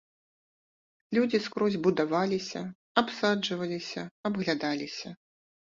Людзі скрозь будаваліся, абсаджваліся, абглядаліся.